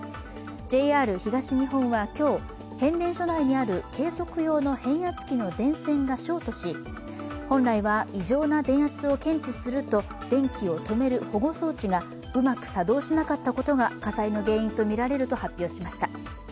ＪＲ東日本は今日、変電所内にある計測用の変圧器の電線がショートし本来は異常な電圧を検知すると電気を止める保護装置がうまく作動しなかったことが火災の原因とみられると発表しました。